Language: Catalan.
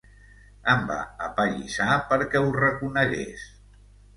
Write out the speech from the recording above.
Em va apallissar perquè ho reconegués.